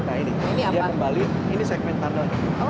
nah ini dia kembali ini segmen tandon